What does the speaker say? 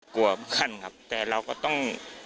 กลัวบ้านครับแต่เราก็ต้อง